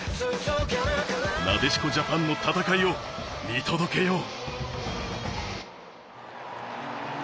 なでしこジャパンの戦いを見届けよう。